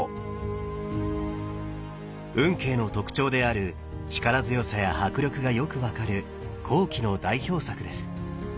運慶の特徴である力強さや迫力がよく分かる後期の代表作です。